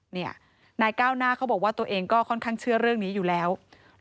เนี่ยท่าน้ายเก้าน่าพูดว่าตัวเองก็เชื่อใช่ทุกอย่าง